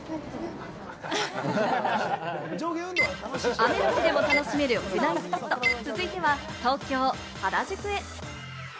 雨の日でも楽しめるか穴場スポット、続いては東京・原宿。